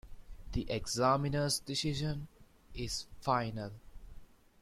The examiner’s decision is final.